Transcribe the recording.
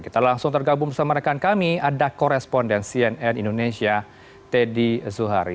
kita langsung tergabung bersama rekan kami ada koresponden cnn indonesia teddy zuhari